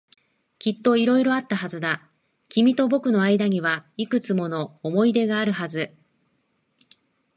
きっと色々あったはずだ。君と僕の間にはいくつも思い出があるはず。